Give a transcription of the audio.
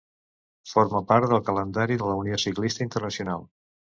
Forma part del calendari de la Unió Ciclista Internacional.